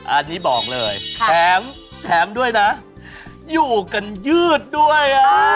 อันนี้บอกเลยแถมด้วยนะอยู่กันยืดด้วย